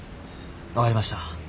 分かりました。